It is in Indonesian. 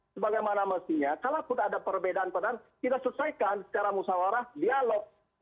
sebagaimana mestinya kalaupun ada perbedaan perbedaan kita selesaikan secara musawarah dialog